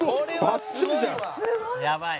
やばい。